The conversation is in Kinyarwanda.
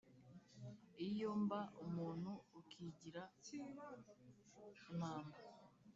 Iyo mba umuntu ukigira impamba